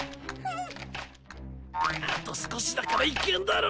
あと少しだからいけんだろ。